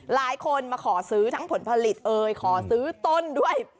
หลายคนมาขอซื้อทั้งผลผลิตเอ่ยขอซื้อต้นด้วย